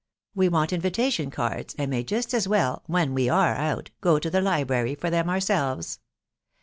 •.. We want invitation cards, and may just well, when we are out, go to the library for them ourselTi m